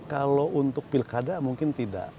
kalau untuk pilkada mungkin tidak